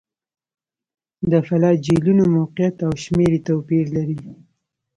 د فلاجیلونو موقعیت او شمېر یې توپیر لري.